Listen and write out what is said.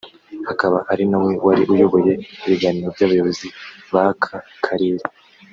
Akaba ari na we wari uyoboye ibiganiro by’abayobozi b’aka karere